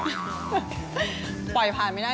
เมื่อวานเราเจอกันไปแล้ว